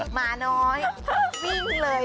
หมาน้อยวิ่งเลย